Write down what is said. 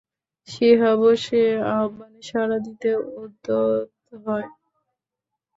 শিহাবও সে আহ্বানে সাড়া দিতে উদ্যত হয়।